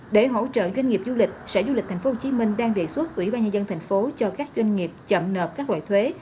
để hỗ trợ doanh nghiệp du lịch sở du lịch tp hcm đang đề xuất quỹ ba nhân dân tp hcm cho các doanh nghiệp chậm nợp các loại thuế